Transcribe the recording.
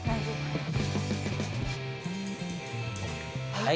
はい。